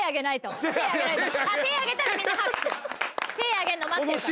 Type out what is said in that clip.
手上げるの待ってるから。